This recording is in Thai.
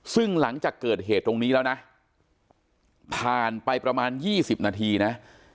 ซึ่งหลังจากเกิดเหตุตรงนี้แล้วนะผ่านไปประมาณ๒๐นาทีนะ